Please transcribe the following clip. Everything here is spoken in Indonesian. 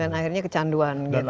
dan akhirnya kecanduan gitu ya